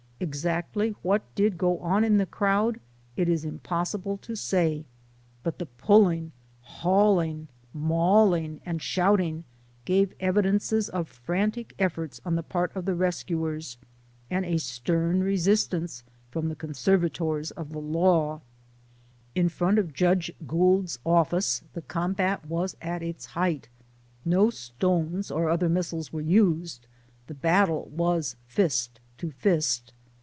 Exactly what did go on in the crowd, it is impossi ble to say, but the pulling, hauling, mauling, and shouting, gave evidences of frantic efforts on the part of the rescuers, and a stern resistance from the conservators of the law. In front of Judge Gould's office the combat was at its height. No stones or other missiles were used ; the battle was fist to fist.